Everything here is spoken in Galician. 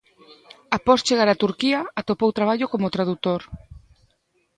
Após chegar a Turquía "atopou traballo como tradutor".